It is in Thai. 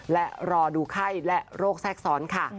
และรอดูไข้และโรคแทรกซ้อนค่ะ